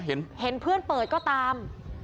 เห็นเพื่อนเปิดก็ตาม